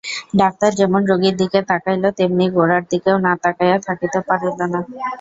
Doctor যেমন রোগীর দিকে তাকাইল তেমনি গোরার দিকেও না তাকাইয়া থাকিতে পারিল না।